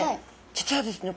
実はですね